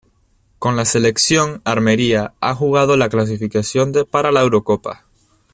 Con la selección armenia ha jugado la clasificación para la Eurocopa.